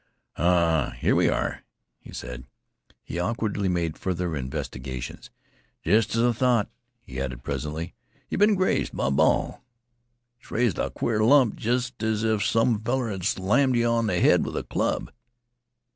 "Ah, here we are!" he said. He awkwardly made further investigations. "Jest as I thought," he added, presently. "Yeh've been grazed by a ball. It's raised a queer lump jest as if some feller had lammed yeh on th' head with a club.